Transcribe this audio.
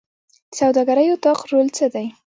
د سوداګرۍ اتاق رول څه دی؟